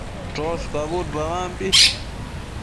choshcabud babampi